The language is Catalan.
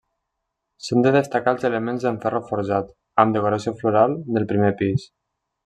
Són de destacar els elements en ferro forjat, amb decoració floral, del primer pis.